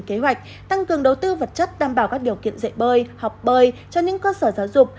kế hoạch tăng cường đầu tư vật chất đảm bảo các điều kiện dạy bơi học bơi cho những cơ sở giáo dục